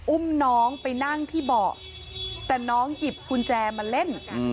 อุ้มน้องไปนั่งที่เบาะแต่น้องหยิบกุญแจมาเล่น